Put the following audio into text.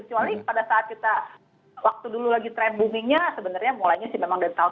kecuali pada saat kita waktu dulu lagi trend boomingnya sebenarnya mulainya sih memang dari tahun dua ribu